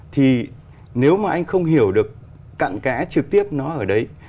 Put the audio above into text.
thì nếu mà anh không hiểu được cặn kẽ trực tiếp nó ở đấy